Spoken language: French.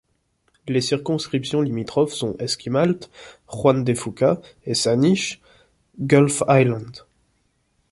Les circonscriptions limitrophes sont Esquimalt—Juan de Fuca et Saanich—Gulf Islands.